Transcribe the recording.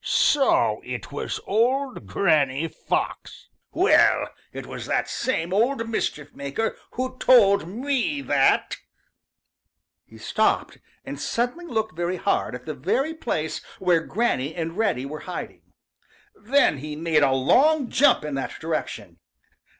"So it was old Granny Fox! Well, it was that same old mischief maker who told me that " He stopped and suddenly looked very hard at the very place where Granny and Reddy were hiding. Then he made, a long jump in that direction.